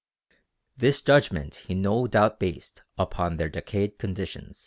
This judgment he no doubt based upon their decayed condition.